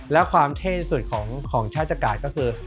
แล้วความเทนสุดของชาติจักรก็คือ